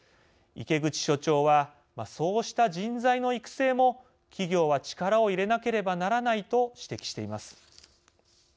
池口所長はそうした人材の育成も企業は力を入れなければならないと指摘しています。